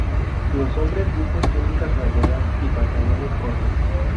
Los hombres visten túnicas rayadas y pantalones cortos.